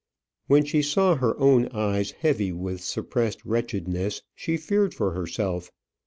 When she saw her own eyes heavy with suppressed wretchedness, she feared for herself.